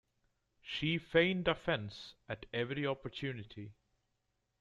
She feigned offense at every opportunity.